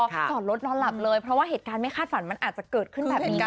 จอดรถนอนหลับเลยเพราะว่าเหตุการณ์ไม่คาดฝันมันอาจจะเกิดขึ้นแบบนี้ได้